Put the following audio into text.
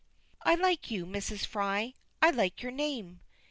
I like you, Mrs. Fry! I like your name!